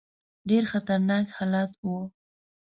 ډېر خطرناک حالت وو.